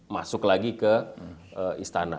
masuk lagi ke istana